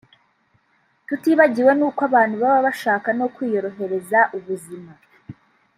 tutibagiwe n’uko abantu baba bashaka no kwiyorohereza ubuzima